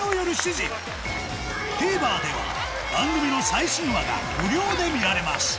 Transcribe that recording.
ＴＶｅｒでは番組の最新話が無料で見られます